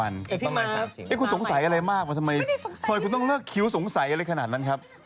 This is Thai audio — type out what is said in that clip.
เนี้ยคุณสงสัยมากไงปล่อยคุณหลอกคิวสงสัยอะไรขนาดนั้นครับ